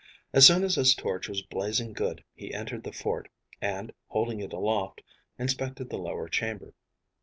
As soon as his torch was blazing good, he entered the fort, and, holding it aloft, inspected the lower chamber.